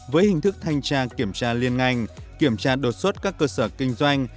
với hình thức thanh tra kiểm tra liên ngành kiểm tra đột xuất các cơ sở kinh doanh